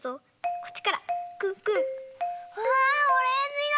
うわオレンジだ！